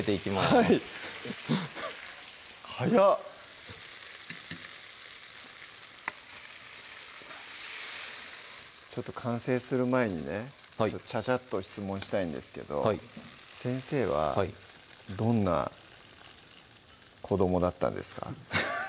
はい早っ完成する前にねちゃちゃっと質問したいんですけど先生はどんな子どもだったんですか？